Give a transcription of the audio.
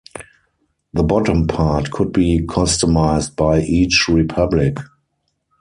The bottom part could be customized by each republic.